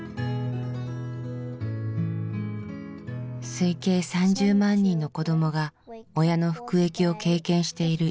推計３０万人の子どもが親の服役を経験しているイギリス。